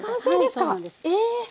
はいそうなんです。